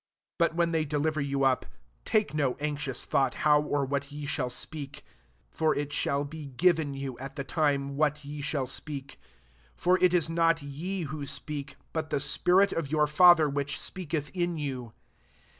19 But when they deliver you up, take no anxious thought how or what ye shall speak: [for it shall be given you at the time what ye shall speak.] 20 For it is not ye who speak, but the spirit of your Father which speaketh in you.